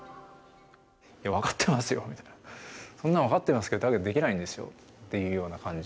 いや、分かってますよみたいな、そんなの分かってますけど、だけどできないんですよっていうような感じ。